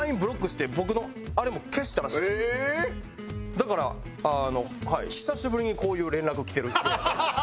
だから久しぶりにこういう連絡来てるっていうような感じです